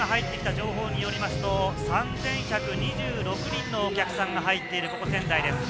今入ってきた情報によりますと３１２６人のお客さんが入っている仙台です。